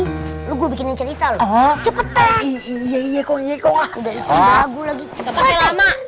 hai lu bikin cerita cepetan iya iya kok ya kok udah lagu lagi cepet lama